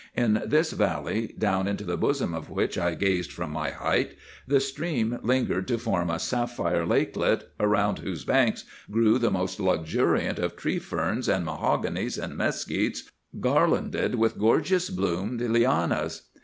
In this valley, down into the bosom of which I gazed from my height, the stream lingered to form a sapphire lakelet, around whose banks grew the most luxuriant of tree ferns and mahoganies and mesquits garlanded with gorgeous bloomed lianas.